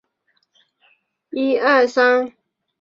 双方关系呈现紧张态势。